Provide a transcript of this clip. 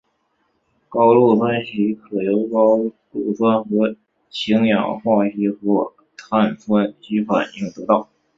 高氯酸镍可由高氯酸和氢氧化镍或碳酸镍反应得到。